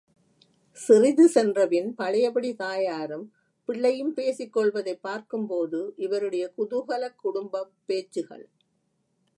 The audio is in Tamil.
சிறிது சென்றபின் பழையபடி தாயாரும், பிள்ளையும் பேசிக் கொள்வதைப் பார்க்கும்போது இவருடைய குதுகல குடும்பப் பேச்சுகள்!